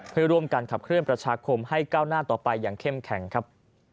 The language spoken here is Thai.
เพื่อร่วมกันขับเคลื่อนประชาคมให้ก้าวหน้าต่อไปอย่างเข้มแข็งครับ